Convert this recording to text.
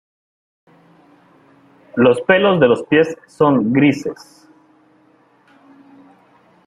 Los pelos de los pies son grises.